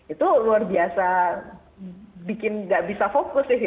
itu luar biasa bikin nggak bisa fokus